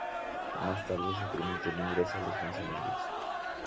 Más tarde se permitió el ingreso a los funcionarios.